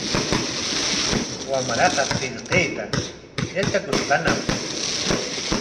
Wamraaqa qillqayta yatrakushqañam.